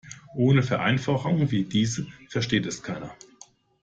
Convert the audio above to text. Ohne Vereinfachungen wie diese versteht es keiner.